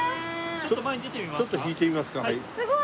ちょっと引いてみますかはい。